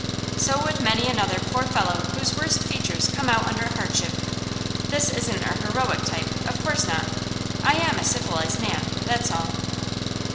So would many another poor fellow whose worst features come out under hardship. This isn't a heroic type; of course not. I am a civilised man, that's all.